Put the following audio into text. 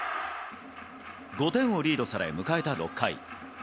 ５点をリードされ、迎えた６回。